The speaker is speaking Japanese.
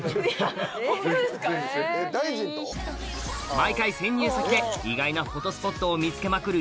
毎回潜入先で意外なフォトスポットを見つけまくる